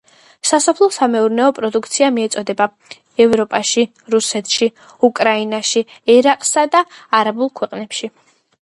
სასოფლო-სამეურნეო პროდუქცია მიეწოდება ევროპაში, რუსეთში, უკრაინაში, ერაყსა და არაბულ ქვეყნებში.